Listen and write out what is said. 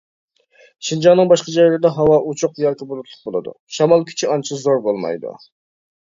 شىنجاڭنىڭ باشقا جايلىرىدا ھاۋا ئوچۇق ياكى بۇلۇتلۇق بولىدۇ، شامال كۈچى ئانچە زور بولمايدۇ.